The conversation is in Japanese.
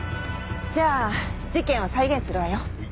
じゃあ事件を再現するわよ。